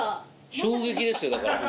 衝撃ですよだから。